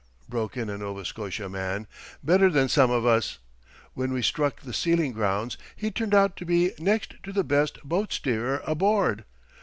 broke in a Novia Scotia man. "Better than some of us! When we struck the sealing grounds he turned out to be next to the best boat steerer aboard.